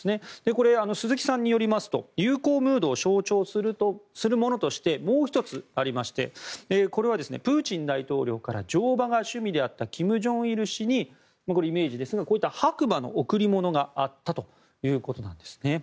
これは鈴木さんによりますと友好ムードを象徴するものとしてもう１つありましてこれはプーチン大統領から乗馬が趣味であった金正日氏にこれはイメージですがこういった白馬の贈り物があったということです。